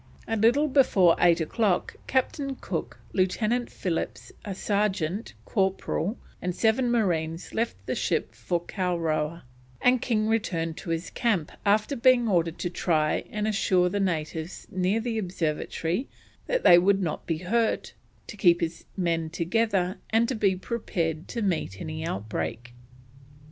A little before eight o'clock Captain Cook, Lieutenant Phillips, a sergeant, corporal, and seven marines left the ship for Kowrowa, and King returned to his camp after being ordered to try and assure the natives near the observatory that they would not be hurt, to keep his men together, and to be prepared to meet any outbreak.